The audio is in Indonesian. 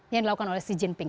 yang dilakukan oleh xi jinping